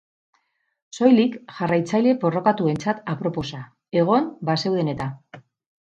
Soilik jarraitzaile porrokatuentzat aproposa, egon bazeuden eta.